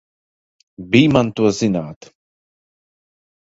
Bij man to zināt!